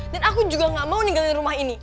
dan aku juga gak mau ninggalin rumah ini